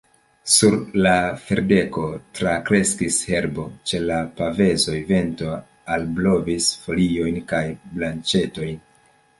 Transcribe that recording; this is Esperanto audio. Sur la ferdeko trakreskis herbo; ĉe la pavezoj vento alblovis foliojn kaj branĉetojn.